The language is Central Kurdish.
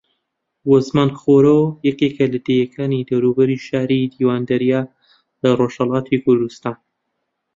وزمان خوارۆ یەکێک لە دێکانی دەوروبەری شاری دیواندەرەیە لە ڕۆژھەڵاتی کوردستان